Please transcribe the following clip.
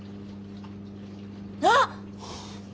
あっ！